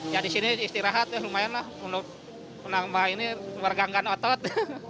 ya di sini istirahat ya lumayan lah menambah ini berganggan otot